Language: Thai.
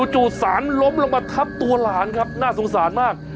จู่สารล้มลงมาทับตัวหลานครับน่าสงสารมาก